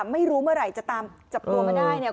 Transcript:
ไม่รู้เมื่อไหร่จะตามจับตัวมาได้เนี่ย